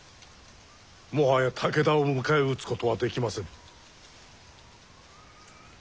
もはや武田を迎え撃つことはできませぬ。